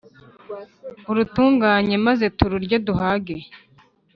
urutunganye maze tururye duhage